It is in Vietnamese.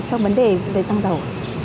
trong vấn đề về răng dầu